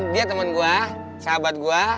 dia teman gue sahabat gue